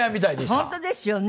本当ですよね。